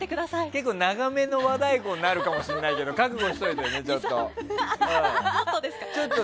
結構、長めの和太鼓になるかもしれないけど覚悟しといてね、ちょっと。